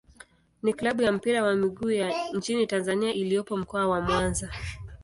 ni klabu ya mpira wa miguu ya nchini Tanzania iliyopo Mkoa wa Mwanza.